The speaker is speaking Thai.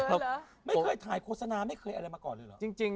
ไม่เคยถ่ายโฆษณาไม่เคยอะไรมาก่อนเลยเหรอจริง